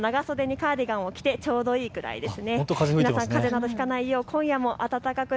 夜は長袖にカーデガンを着てちょうどいいくらいです。